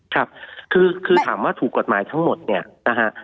ครับคือถามว่าถูกกฎหมายทั้งหมดเนี่ยนะฮะ